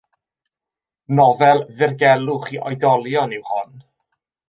Nofel ddirgelwch i oedolion yw hon.